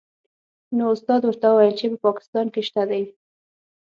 نو استاد ورته وویل چې په پاکستان کې شته دې.